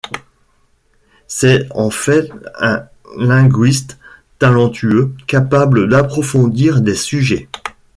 C'est en fait un linguiste talentueux, capable d'approfondir des sujets.